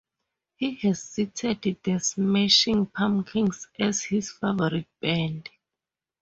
He has cited The Smashing Pumpkins as his favorite band.